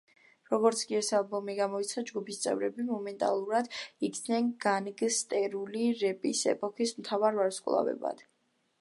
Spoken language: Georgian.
როგორც კი ეს ალბომი გამოიცა, ჯგუფის წევრები მომენტალურად იქცნენ განგსტერული რეპის ეპოქის მთავარ ვარსკვლავებად.